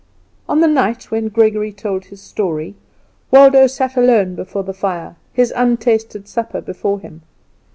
On the night when Gregory told his story Waldo sat alone before the fire, his untasted supper before him.